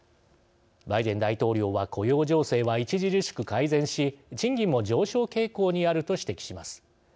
バイデン大統領は雇用情勢は著しく改善し賃金も上昇傾向にあると指摘します。